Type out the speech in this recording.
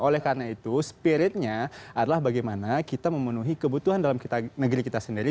oleh karena itu spiritnya adalah bagaimana kita memenuhi kebutuhan dalam negeri kita sendiri